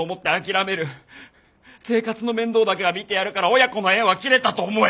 生活の面倒だけは見てやるから親子の縁は切れたと思え」